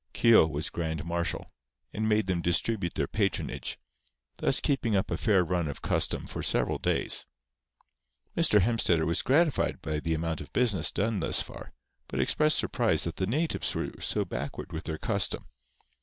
Keogh was grand marshal, and made them distribute their patronage, thus keeping up a fair run of custom for several days. Mr. Hemstetter was gratified by the amount of business done thus far; but expressed surprise that the natives were so backward with their custom.